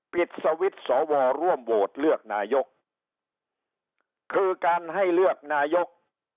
ปิดสวิตช์สอวอร่วมโหวตเลือกนายกคือการให้เลือกนายก